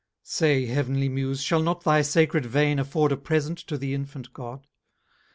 III Say Heav'nly Muse, shall not thy sacred vein Afford a present to the Infant God?